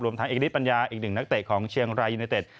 ทางเอกฤทธปัญญาอีกหนึ่งนักเตะของเชียงรายยูเนเต็ด